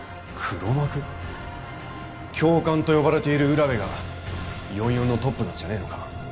教官と呼ばれている占部が４４のトップなんじゃねえのか？